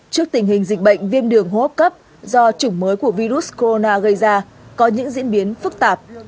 trước tình hình dịch bệnh viêm đường hô hấp cấp do chủng mới của virus corona gây ra có những diễn biến phức tạp